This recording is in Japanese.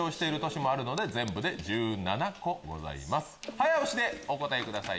早押しでお答えください。